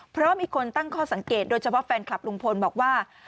เพราะมีคนตั้งข้อสังเกตโดยเฉพาะแฟนคลับลุงพลบอกว่า